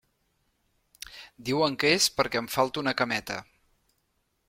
Diuen que és perquè em falta una cameta.